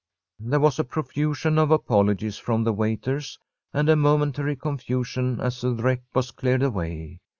There was a profusion of apologies from the waiters and a momentary confusion as the wreck was cleared away.